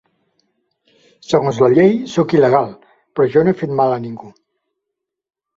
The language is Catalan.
Segons la llei, soc il·legal; però jo no he fet mal a ningú.